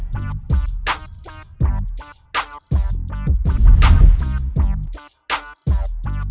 dan mereka juga akan menjelajahkan